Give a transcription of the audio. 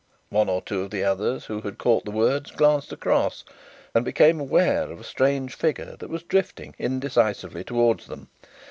One or two of the others who had caught the words glanced across and became aware of a strange figure that was drifting indecisively towards them.